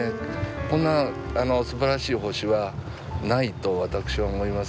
こんなすばらしい星はないと私は思います。